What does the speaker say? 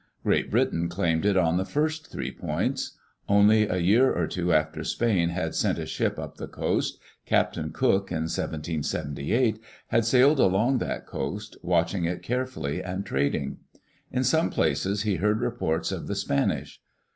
Great Britain claimed it on the first three points. Only a year or two after Spain had sent a ship up the coast, Captain Cook in 1778 had sailed along that coast, watch ing it carefully, and trading. In some places he heard reports of the Spanish.